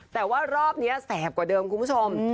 แต่ว่ารอบนี้แสบกว่าเดิมคุณผู้ชม